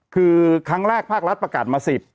คือครั้งแรกภาครัฐประกาศมา๑๐